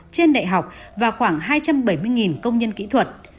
trên đại học và khoảng hai trăm bảy mươi công nhân kỹ thuật